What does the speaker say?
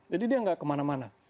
jadi dia tidak kemana mana